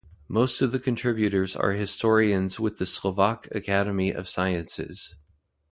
Most of the contributors are historians with the Slovak Academy of Sciences.